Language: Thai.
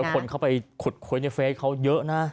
แล้วคนเข้าไปขุดคว้นยะเฟสเขาเยอะนะ